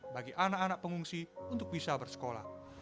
bagi anak anak pengungsi untuk bisa bersekolah